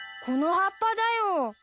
この葉っぱだよ。